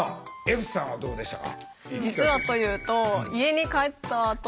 歩さんはどうでしたか？